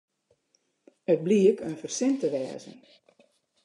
It bliek in fersin te wêzen.